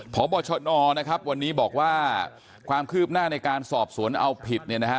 พบชนนะครับวันนี้บอกว่าความคืบหน้าในการสอบสวนเอาผิดเนี่ยนะฮะ